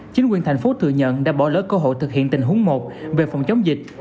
chính quyền thành phố thừa nhận đã bỏ lỡ cơ hội thực hiện tình huống một về phòng chống dịch